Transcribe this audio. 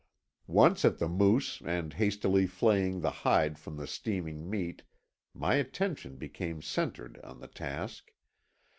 Once at the moose and hastily flaying the hide from the steaming meat my attention became centered on the task.